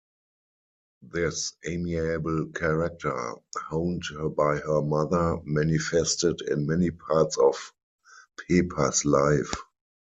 This amiable character honed by her mother manifested in many parts of Pepa's life.